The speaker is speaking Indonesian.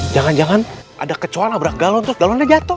jangan jangan ada kecuali nabrak galon terus galonnya jatuh